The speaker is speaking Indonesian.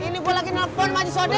ini gue lagi nelfon pak jisodik